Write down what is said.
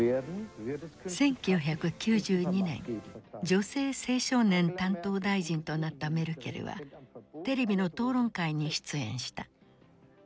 女性・青少年担当大臣となったメルケルはテレビの討論会に出演した。